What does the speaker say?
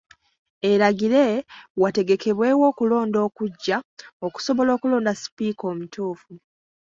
Eragire wategekebwewo okulonda okuggya okusobola okulonda sipiika omutuufu.